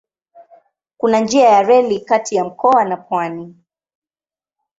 Kuna njia ya reli kati ya mkoa na pwani.